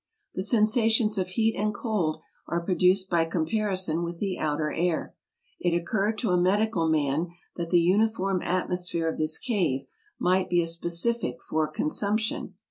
The sensations of heat and cold are produced by comparison with the outer air. It occurred to a medical man that the uniform atmosphere of this cave might be a specific for consumption.